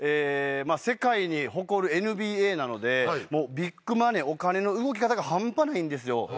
世界に誇るＮＢＡなのでもうビッグマネーお金の動き方が半端ないんですよ。